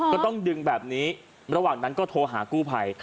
ก็ต้องดึงแบบนี้ระหว่างนั้นก็โทรหากู้ภัย